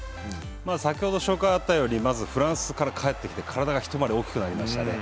先ほど紹介あったように、まずフランスから帰ってきて体が一回り大きくなりましたね。